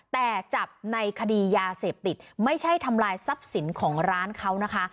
แต่จับในคดียาเสพติดไม่ใช่ทำลายทรัพย์สินของร้านเขานะคะ